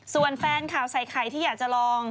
ส่วนแฟนข่าวใส่ไข่ที่อยากจะลอง